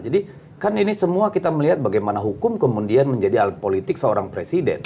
jadi kan ini semua kita melihat bagaimana hukum kemudian menjadi alat politik seorang presiden